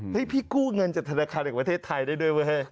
พี่กู้เงินจากธนาคารแห่งประเทศไทยได้ด้วยเว้ย